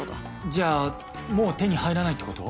じゃあもう手に入らないってこと？